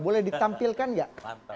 boleh ditampilkan gak